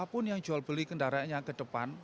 siapapun yang jual beli kendaraan yang kedepan